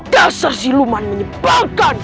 dasar siluman menyebalkan